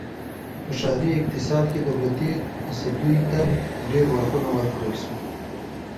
په ښاري اقتصاد کې دولتي تصدیو ته ډېر واکونه ورکړل شول.